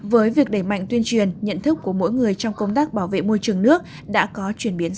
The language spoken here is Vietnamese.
với việc đẩy mạnh tuyên truyền nhận thức của mỗi người trong công tác bảo vệ môi trường nước đã có chuyển biến rõ r